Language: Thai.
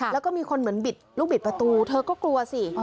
แล้วก็มีคนเหมือนบิดลูกบิดประตูเธอก็กลัวสิ